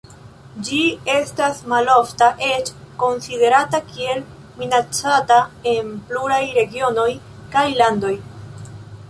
Ĝi estas malofta, eĉ konsiderata kiel minacata en pluraj regionoj kaj landoj.